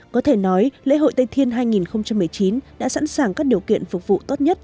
có thể nói lễ hội tây thiên hai nghìn một mươi chín đã sẵn sàng các điều kiện phục vụ tốt nhất